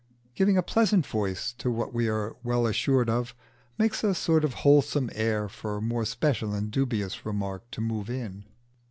Giving a pleasant voice to what we are all well assured of, makes a sort of wholesome air for more special and dubious remark to move in.